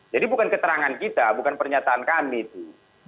jadi bukan keterangan kita bukan pernyataan kami itu